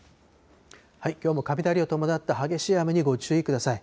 きょうも雷を伴った激しい雨にご注意ください。